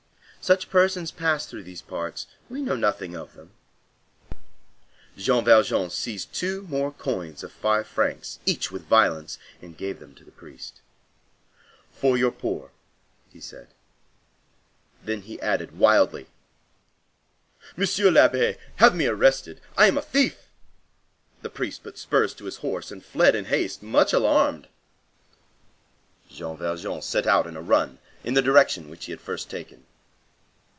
Such persons pass through these parts. We know nothing of them." Jean Valjean seized two more coins of five francs each with violence, and gave them to the priest. "For your poor," he said. Then he added, wildly:— "Monsieur l'Abbé, have me arrested. I am a thief." The priest put spurs to his horse and fled in haste, much alarmed. Jean Valjean set out on a run, in the direction which he had first taken.